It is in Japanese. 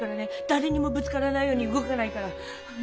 だれにもぶつからないように動かないから。